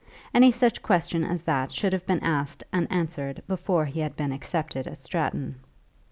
Any such question as that should have been asked and answered before he had been accepted at Stratton.